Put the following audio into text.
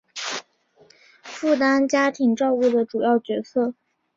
负担家庭照顾的主要角色